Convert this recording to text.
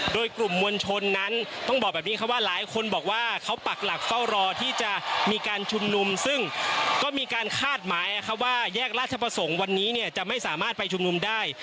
โดยกลุ่มมวลชนนั้นต้องบอกแบบนี้ครับว่าหลายคนบอกว่าเขาปักหลักเฝ้ารอที่จะมีการชุมนุมซึ่งก็มีการคาดหมายว่าแยกราชประสงค์วันนี้เนี่ยจะไม่สามารถไปชุมนุมได้